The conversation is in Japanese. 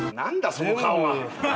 その顔は。